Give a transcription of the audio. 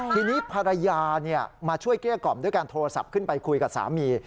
ทีนี้ภรรยามาช่วยเกลี้ยกล่อมด้วยการโทรศัพท์ขึ้นไปคุยกับสามี